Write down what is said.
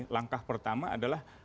langkah pertama adalah